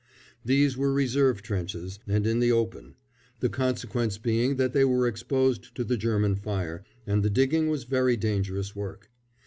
These were reserve trenches, and in the open; the consequence being that they were exposed to the German fire, and the digging was very dangerous work.